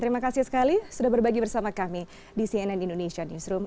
terima kasih sekali sudah berbagi bersama kami di cnn indonesia newsroom